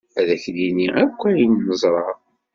Ad ak-nini akk ayen neẓra.